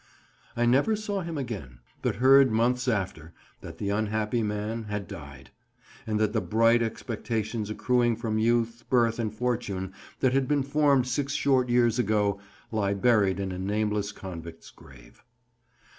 I never saw him again, but heard, months after, that the unhappy man had died, and that the bright expectations accruing from youth, birth, and fortune, that had been formed six short years ago, lie buried in a nameless convict's grave.